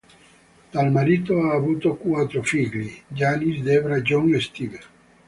Dal marito, ha avuto quattro figli: Janis, Debra, Jon e Steve.